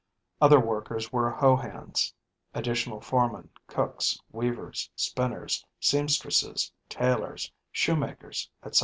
Other workers were hoe hands, additional foremen, cooks, weavers, spinners, seamstresses, tailors, shoemakers, etc.